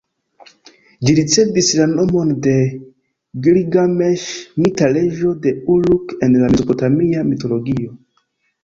Ĝi ricevis la nomon de Gilgameŝ, mita reĝo de Uruk en la mezopotamia mitologio.